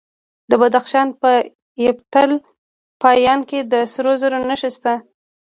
د بدخشان په یفتل پایان کې د سرو زرو نښې شته.